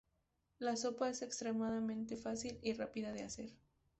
La sopa es extremadamente fácil y rápida de hacer.